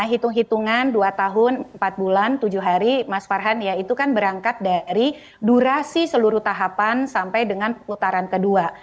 hitung hitungan dua tahun empat bulan tujuh hari mas farhan ya itu kan berangkat dari durasi seluruh tahapan sampai dengan putaran kedua